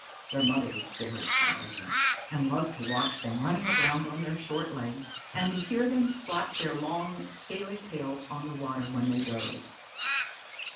Their mother was very proud of them, and loved to watch them running around on their short legs, and to hear them slap their long, scaly tails on the water when they dove.